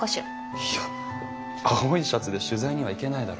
いや青いシャツで取材には行けないだろ。